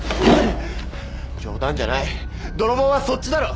冗談じゃない泥棒はそっちだろ！